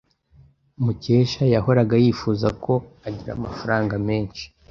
Mukesha yahoraga yifuza ko agira amafaranga menshi.